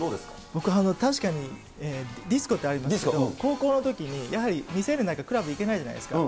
僕、確かにディスコってありますけど、高校のときにやはり未成年だからクラブ行けないじゃないですか。